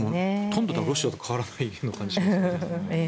ほとんどロシアと変わらないような感じが。